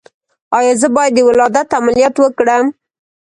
ایا زه باید د ولادت عملیات وکړم؟